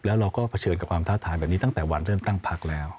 แล้วเราก็เผชิญกับความท้าทายแบบนี้ตั้งแต่วันเริ่มตั้งพักแล้ว